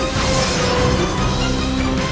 aku sudah menemukan siliwangi